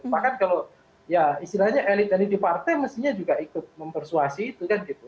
bahkan kalau ya istilahnya elit elit di partai mestinya juga ikut mempersuasi itu kan gitu